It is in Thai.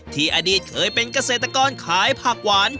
อดีตเคยเป็นเกษตรกรขายผักหวาน